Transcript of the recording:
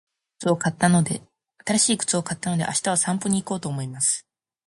新しい靴を買ったので、明日は散歩に行こうと思います。